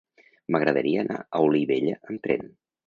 M'agradaria anar a Olivella amb tren.